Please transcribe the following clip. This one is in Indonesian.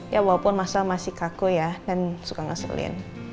ya walaupun mas lel masih kaku ya dan suka ngeselin